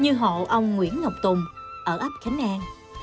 như hộ ông nguyễn ngọc tùng ở ấp khánh an